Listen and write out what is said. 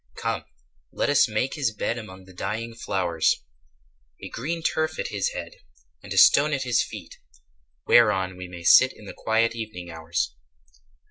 Come, let us make his bed Among the dying flowers: A green turf at his head; And a stone at his feet, Whereon we may sit In the quiet evening hours.